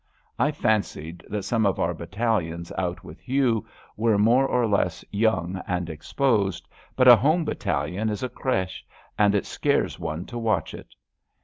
I fancied that some of our battalions out with you were more or less young and exposed, but a home battalion is a creche, and it scares one to watch it.